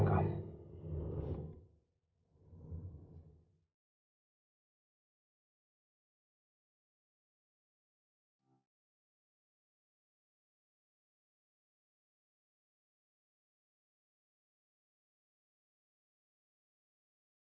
nih aku mau tidur